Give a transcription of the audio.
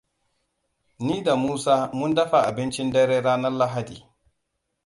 Ni da Musaa mun dafa abincin dare ranar Lahadi.